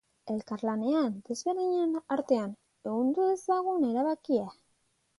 Elkarlanean, desberdinen artean, ehundu dezagun erabakia!